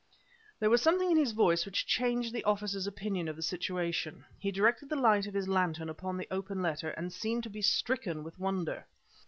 There was something in his voice which changed the officer's opinion of the situation. He directed the light of his lantern upon the open letter and seemed to be stricken with wonder.